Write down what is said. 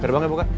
ke depan ya buka